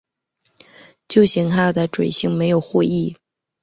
旧型号的准星没有护翼。